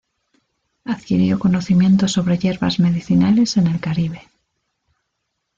Adquirió conocimiento sobre hierbas medicinales en el Caribe.